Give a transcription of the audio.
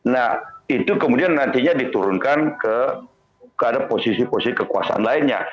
nah itu kemudian nantinya diturunkan kepada posisi posisi kekuasaan lainnya